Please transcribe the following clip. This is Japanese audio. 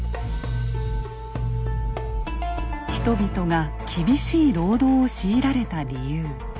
人々が厳しい労働を強いられた理由。